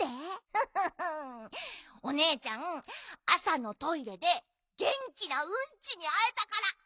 フフフおねえちゃんあさのトイレでげんきなうんちにあえたからうれしいの！